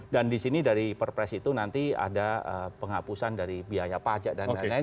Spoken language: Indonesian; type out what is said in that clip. dan di sini dari perpres itu nanti ada penghapusan dari biaya pajak dan lain lain